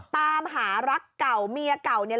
ตามหารักเก่าเมียเก่าเนี่ย